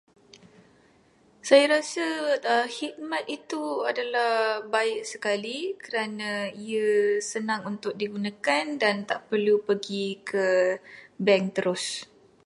Saya rasa khidmat itu adalah baik sekali kerana ia senang untuk digunakan dan tak perlu pergi ke bank terus.